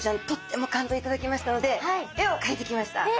とっても感動頂きましたので絵をかいてきました。